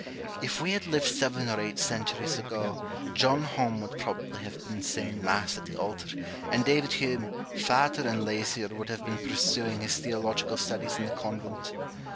If we had lived seven or eight centuries ago, John Home would probably have been saying Mass at the altar, and David Hume, fatter and lazier, would have been pursuing his theological studies in the convent.